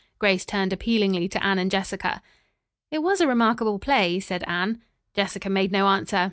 Grace turned appealingly to Anne and Jessica. "It was a remarkable play," said Anne. Jessica made no answer.